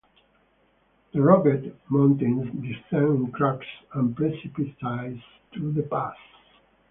The rugged mountains descend in crags and precipices to the pass.